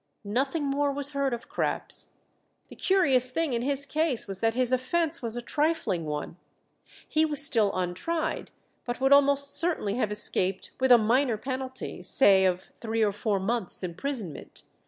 Nothing more was heard of Krapps. The curious thing in his case was that his offence was a trifling one; he was still untried, but would almost certainly have escaped with a minor penalty, say of three or four months' imprisonment.